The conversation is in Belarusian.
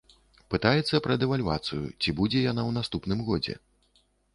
Пытаецца пра дэвальвацыю, ці будзе яна ў наступным годзе?